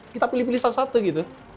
kita pilih pilih satu satu gitu